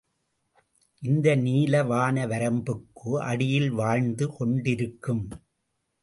இந்த நீல வான வரம்புக்கு அடியில் வாழ்ந்து கொண்டிருக்கும்.